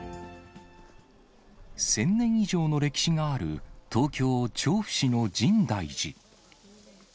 １０００年以上の歴史がある、東京・調布市の深大寺。